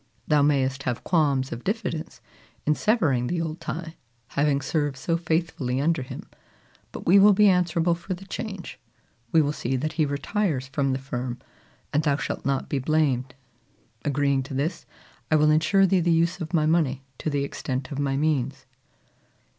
Thou mayest have qualms of diffidence in severing the old tie, having served so faithfully under him; but we will be answerable for the change: we will see that he retires from the firm, and thou shalt not be blamed. Agreeing to this, I will insure thee the use of my money to the extent of my means."